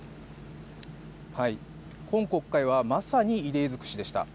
今国会はまさに異例尽くしでした。